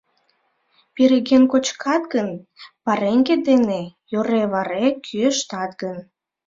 Переген кочкат гын, пареҥге дене йӧре-варе кӱэштат гын.